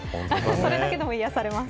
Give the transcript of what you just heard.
これだけでも癒されます。